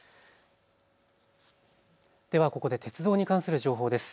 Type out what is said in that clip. ではここで鉄道に関する情報です。